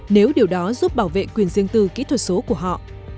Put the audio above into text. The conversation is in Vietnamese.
nếu điều đó giúp bảo vệ quyền riêng tư kỹ thuật số của họ